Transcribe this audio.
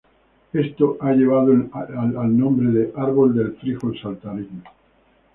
Esto ha llevado al nombre de "Árbol del frijol saltarín".